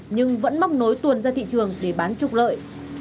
nhưng vẫn móc nối tuần ra thị trường để bán trục lợi